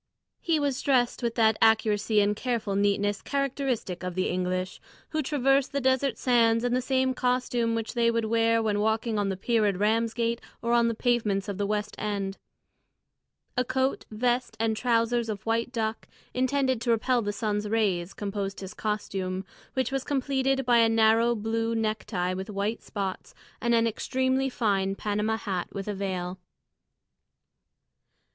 He was dressed with that accuracy and careful neatness characteristic of the English, who traverse the desert sands in the same costume which they would wear when walking on the pier at Ramsgate or on the pavements of the West End. A coat, vest, and trousers of white duck, intended to repel the sun's rays, composed his costume, which was completed by a narrow blue necktie with white spots, and an extremely fine Panama hat with a veil.